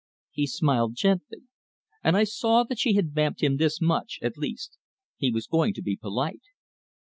He smiled gently; and I saw that she had vamped him this much, at least he was going to be polite!